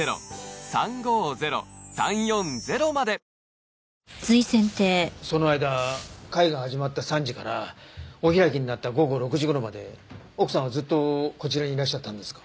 ニトリその間会が始まった３時からお開きになった午後６時頃まで奥さんはずっとこちらにいらっしゃったんですか？